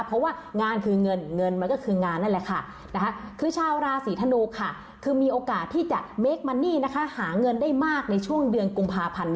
เพราะว่างานคือเงินเงินมันก็คืองานนั่นแหละค่ะ